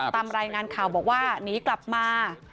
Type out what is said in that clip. ตามรายงานข่าวบอกว่าหนีกลับมา